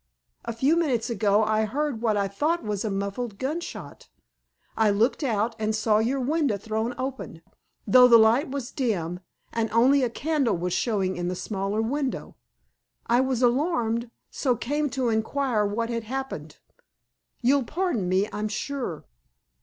A few minutes ago I heard what I thought was a muffled gunshot. I looked out, and saw your window thrown open, though the light was dim, and only a candle was showing in the smaller window. I was alarmed, so came to inquire what had happened. You'll pardon me, I'm sure."